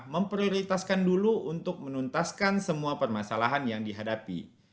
memprioritaskan dulu untuk menuntaskan semua permasalahan yang dihadapi